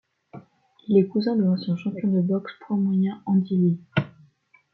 Il est cousin de l'ancien champion du monde de boxe poids moyen Andy Lee.